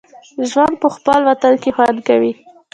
ژوند په خپل وطن کې خوند کوي